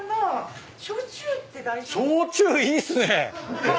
焼酎いいっすね。